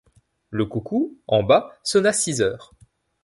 Le coucou, en bas, sonna six heures.